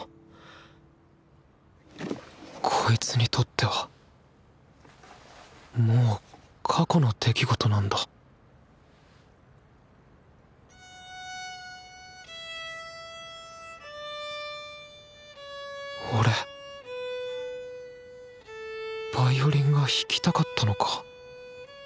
こいつにとってはもう「過去の出来事」なんだ俺ヴァイオリンが弾きたかったのか？